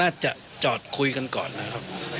น่าจะจอดคุยกันก่อนนะครับ